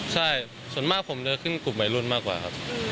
ใช่ส่วนมากผมจะขึ้นกลุ่มวัยรุ่นมากกว่าครับ